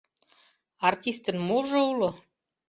Артистын можо уло?